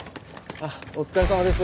あっお疲れさまです。